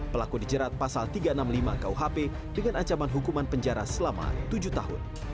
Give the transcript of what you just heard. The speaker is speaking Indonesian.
pelaku dijerat pasal tiga ratus enam puluh lima kuhp dengan ancaman hukuman penjara selama tujuh tahun